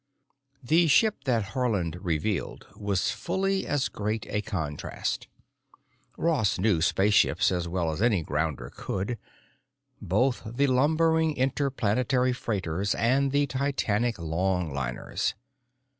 The ship that Haarland revealed was fully as great a contrast. Ross knew spaceships as well as any grounder could, both the lumbering interplanet freighters and the titanic longliners.